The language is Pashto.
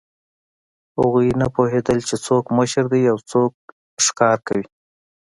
هغوی نه پوهېدل، چې څوک مشر دی او څوک ښکار کوي.